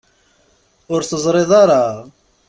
Ur teẓriḍ ara.